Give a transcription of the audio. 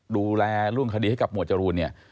ดูแลเรื่องคดีให้กับหมวดจรูนเนี่ย